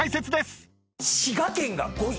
滋賀県が５位。